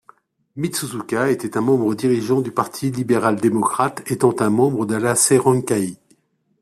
Mitsuzuka était un membre dirigeant du parti libéral-démocrate, étant un membre de la Seirankai.